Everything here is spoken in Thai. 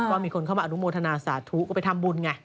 ว่ามีคนเข้ามาอนุโมทนาศาตุ